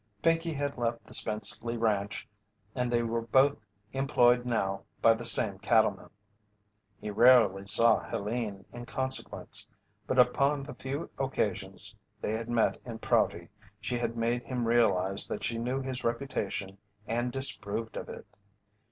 Pinkey had left the Spenceley ranch and they were both employed now by the same cattleman. He rarely saw Helene, in consequence, but upon the few occasions they had met in Prouty she had made him realize that she knew his reputation and disapproved of it.